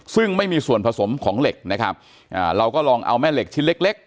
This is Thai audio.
ซึ่งไม่มีส่วนผสมของเหล็กนะครับอ่าเราก็ลองเอาแม่เหล็กชิ้นเล็กเล็ก